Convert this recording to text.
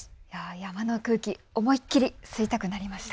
山の空気、思い切り吸いたくなりました。